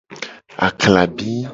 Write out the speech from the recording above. Aklabi.